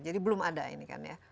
jadi belum ada ini kan ya